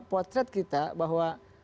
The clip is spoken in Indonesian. potret kita bahwa